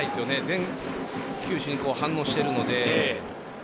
全球種に反応しているので。